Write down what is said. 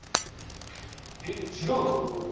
えっ違うの？